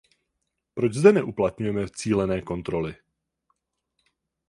Proč zde neuplatňujeme cílené kontroly?